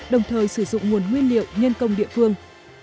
đồng thời sử dụng nguồn nguyên liệu nhân công địa phương